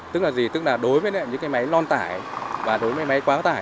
tức là đối với những máy lon tải và đối với máy quá tải